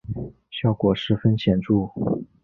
效果十分显著